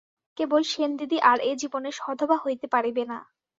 কেবল সেনদিদি আর এ জীবনে সধবা হইতে পরিবে না।